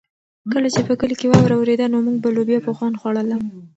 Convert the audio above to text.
کله چې په کلي کې واوره ورېده نو موږ به لوبیا په خوند خوړله.